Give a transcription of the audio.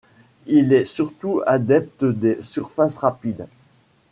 Il est surtout adepte des surfaces rapides.